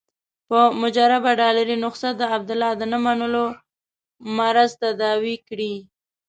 په مجربه ډالري نسخه د عبدالله د نه منلو مرض تداوي کړي.